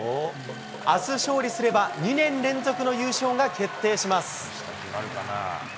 あす勝利すれば、２年連続の優勝が決定します。